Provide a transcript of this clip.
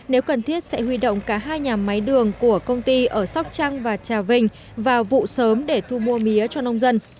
nếu cần thiết sẽ huy động cả hai nhà máy đường của công ty ở sóc trăng và trà vinh vào vụ sớm để thu mua mía cho nông dân